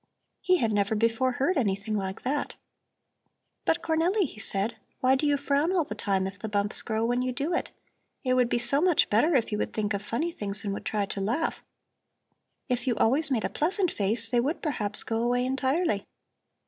He had never before heard anything like that. "But, Cornelli," he said, "why do you frown all the time, if the bumps grow when you do it? It would be so much better if you would think of funny things and would try to laugh. If you always made a pleasant face they would perhaps go away entirely."